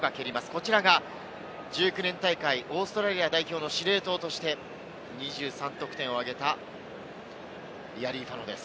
こちらが１９年大会、オーストラリア代表の司令塔として２３得点を挙げたリアリーファノです。